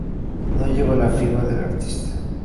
No lleva la firma del artista.